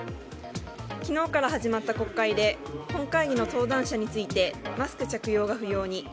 昨日から始まった国会で本会議の登壇者に対してマスク着用が不要に。